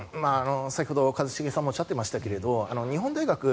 先ほど一茂さんもおっしゃっていましたけど日本大学